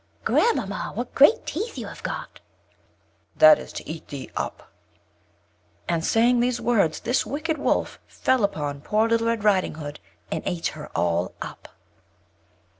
"Grand mamma, what great teeth you have got!" "That is to eat thee up." And, saying these words, this wicked Wolf fell upon poor Little Red Riding Hood, and ate her all up.